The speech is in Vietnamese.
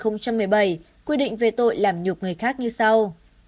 năm hai nghìn một mươi bảy quy định về tội làm nhục người khác như sau